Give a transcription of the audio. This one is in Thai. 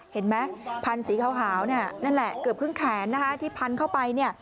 เห็นไหมพันสีหาวนั่นแหละเกือบครึ่งแขนที่พันเข้าไป